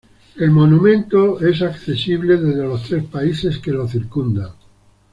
El monumento es accesible desde los tres países que lo circundan.